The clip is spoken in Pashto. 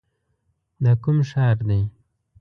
دا کوم ښار دی؟